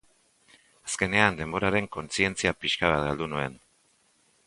Azkenean denboraren kontzientzia pixka bat galdu nuen.